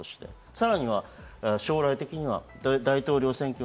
さらには将来的には大統領選挙。